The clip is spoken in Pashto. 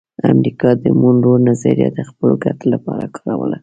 امریکا د مونرو نظریه د خپلو ګټو لپاره کاروله